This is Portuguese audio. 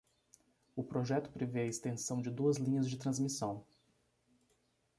O projeto prevê a extensão de duas linhas de transmissão